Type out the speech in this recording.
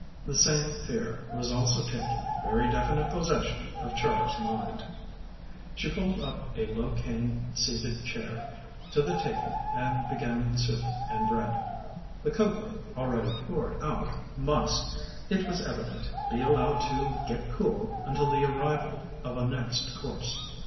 The same fear was also taking very definite possession of Char's mind. She pulled up a low cane seated chair to the table and began the soup and bread. The cocoa, already poured out, must, it was evident, be allowed to get cool until the arrival of a next course.